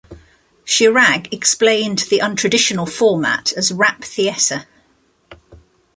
Chirag explained the untraditional format as "rap theatre".